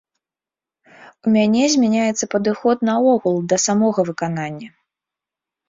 У мяне змяняецца падыход наогул да самога выканання.